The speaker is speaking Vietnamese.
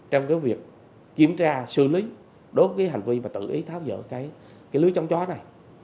trong cái việc kiểm tra xử lý đối với hành vi và tự ý tháo dỡ cái lưới chống chó này